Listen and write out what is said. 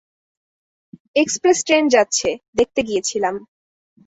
Express train যাচ্ছে, দেখতে গিয়েছিলাম।